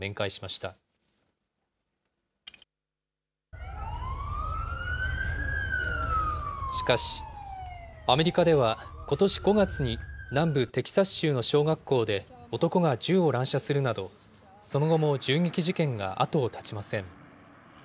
しかし、アメリカではことし５月に南部テキサス州の小学校で男が銃を乱射するなど、その後も銃撃事件が後を絶ちません。